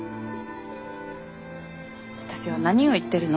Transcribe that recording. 私は「何を言ってるの？」